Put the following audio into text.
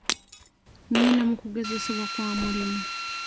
Ngenda mu kugezesebwa kwa mulimu.